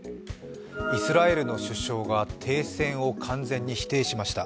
イスラエルの首相が停戦を完全に否定しました。